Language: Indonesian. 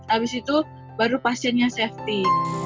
habis itu baru pasiennya safety